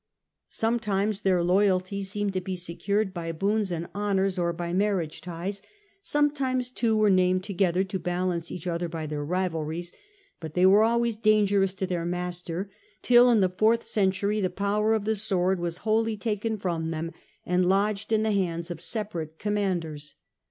Sometimes their loyalty seemed CH. IX. Administrative Forms of Govcrn^nent, 199 to be secured by boons and honours, or by marriage ties : sometimes two wore named together, to balance each other by their rivalries ; but they were always dangerous to their master, till in the fourth century the power of the sword was wholly taken from them and lodged in the hands of separate commanders.